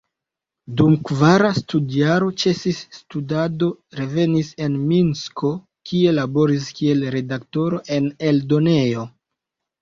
Dum kvara studjaro ĉesis studado, revenis en Minsko, kie laboris kiel redaktoro en eldonejo.